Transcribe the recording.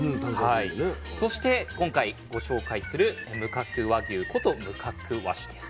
そして今回ご紹介する無角和牛こと無角和種です。